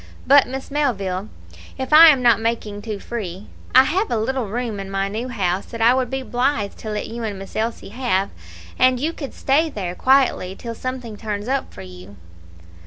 But, Miss Melville, if I am not making too free, I have a little room in my new house that I would be blithe to let you and Miss Elsie have, and you could stay there quietly till something turns up for you."